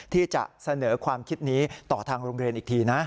ที่จะเสนอความคิดนี้ต่อทางโรงเรียนอีกทีนะ